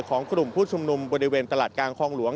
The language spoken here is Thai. ของกลุ่มผู้ชุมนุมบริเวณตลาดกลางคลองหลวง